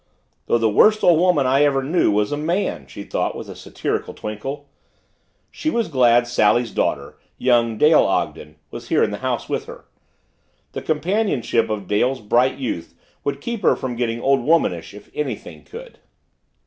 "Though the worst old woman I ever knew was a man!" she thought with a satiric twinkle. She was glad Sally's daughter young Dale Ogden was here in the house with her. The companionship of Dale's bright youth would keep her from getting old womanish if anything could.